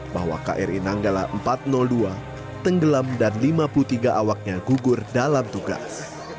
bahwa kri nanggala empat ratus dua tenggelam dan lima puluh tiga awaknya gugur dalam tugas